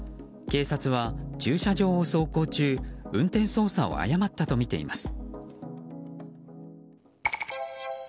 警察は駐車場を走行中運転操作を誤ったとみています。